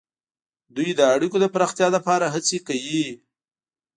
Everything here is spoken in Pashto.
دوی د اړیکو د پراختیا لپاره هڅې کوي